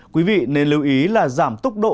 quý vị nên lưu ý là giảm tốc độ